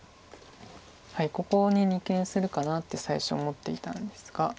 ここに二間するかなって最初思っていたんですが。